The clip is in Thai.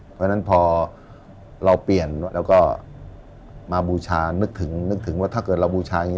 เพราะฉะนั้นพอเราเปลี่ยนแล้วก็มาบูชานึกถึงนึกถึงว่าถ้าเกิดเราบูชาอย่างนี้